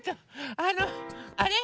あのあれ？